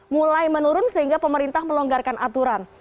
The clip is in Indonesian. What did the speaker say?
mulai menurun sehingga pemerintah melonggarkan aturan